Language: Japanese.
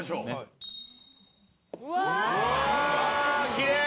きれい！